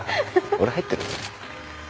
俺入ってる？